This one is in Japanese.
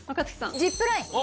ジップライン。